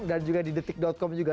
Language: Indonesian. dan juga di detik com juga